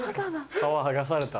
皮剥がされた。